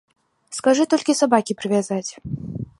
Скажы толькі сабакі прывязаць!